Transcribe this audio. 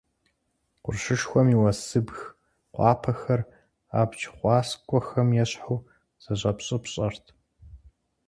Къуршышхуэм и уэсыбг къуапэхэр, абдж хъуаскуэхэм ещхьу, зэщӀэпщӀыпщӀэрт.